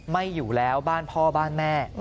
ไม่อยู่แล้วบ้านพ่อบ้านแม่